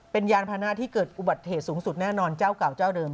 เป็นยานพานะที่เกิดอุบัติเหตุสูงสุดแน่นอนเจ้าเก่าเจ้าเดิม